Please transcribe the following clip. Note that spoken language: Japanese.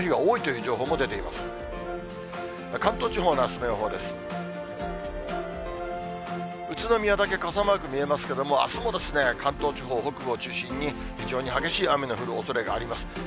宇都宮だけ傘マーク見えますけども、あすも関東地方北部を中心に、非常に激しい雨の降るおそれがあります。